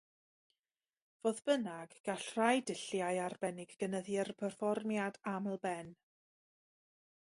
Fodd bynnag, gall rhai dulliau arbennig gynyddu'r perfformiad aml-ben.